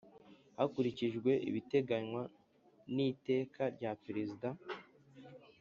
Hakurikijwe ibiteganywa n iteka rya perezida